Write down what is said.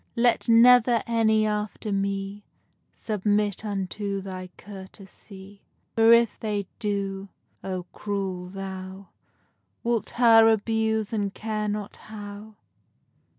Let never any after me Submit unto thy courtesy! For, if hey do, O! cruel thou Wilt her abuse and care not how!